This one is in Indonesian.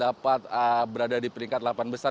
dan memenuhi target dapat berada di peringkat delapan besar